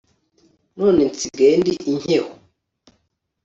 none nsigaye ndi inkeho